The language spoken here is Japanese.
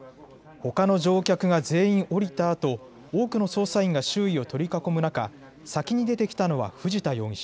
ほかの乗客が全員降りたあと多くの捜査員が周囲を取り囲む中、先に出てきたのは藤田容疑者。